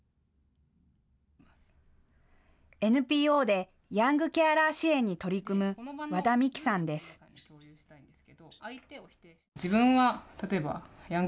ＮＰＯでヤングケアラー支援に取り組む、和田果樹さんです。